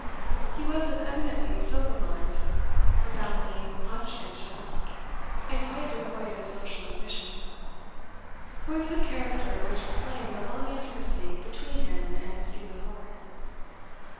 He was of eminently sober mind, profoundly conscientious, and quite devoid of social ambition, points of character which explained the long intimacy between him and Stephen Lord.